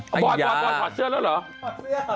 บอยด์ถอดเสื้อแล้วเหรอ